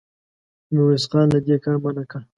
خو ميرويس خان له دې کاره منع کړ.